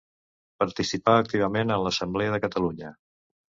Participà activament en l'Assemblea de Catalunya.